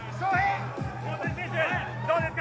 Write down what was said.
大谷選手どうですか？